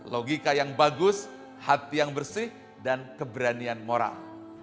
logika yang bagus hati yang bersih dan keberanian moral